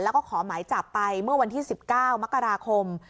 แล้วก็ขอหมายจับไปเมื่อวันที่๑๙มกราคม